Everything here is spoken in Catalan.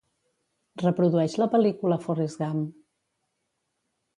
Reprodueix la pel·lícula "Forrest Gump".